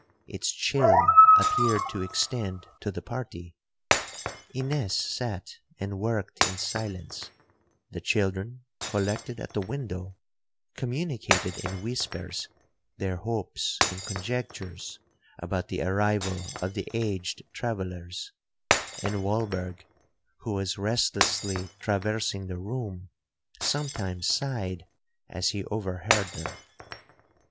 Its chill appeared to extend to the party. Ines sat and worked in silence—the children, collected at the window, communicated in whispers their hopes and conjectures about the arrival of the aged travellers, and Walberg, who was restlessly traversing the room, sometimes sighed as he overheard them.